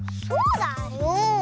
そうだよ。